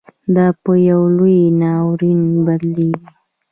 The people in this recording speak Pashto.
دا پـه يـو لـوى نـاوريـن بـدليږي.